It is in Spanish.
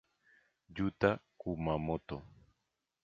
Yuta Kumamoto